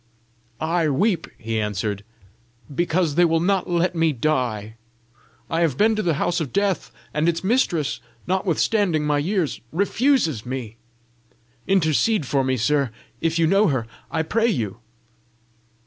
"I weep," he answered, "because they will not let me die. I have been to the house of death, and its mistress, notwithstanding my years, refuses me. Intercede for me, sir, if you know her, I pray you."